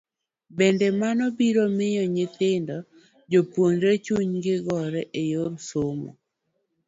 Bende, mano biro miyo nyithindo jopuonjre chunygi gore e yor somo.